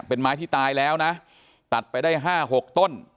เป็นไม้ที่ตายแล้วนะตัดไปได้๕๖ต้น